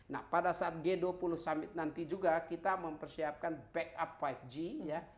nah pada saat g dua puluh summit nanti juga kita mempersiapkan backup lima g ya